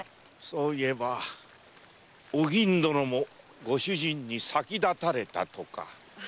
そういえばお吟殿もご主人に先立たれたとか。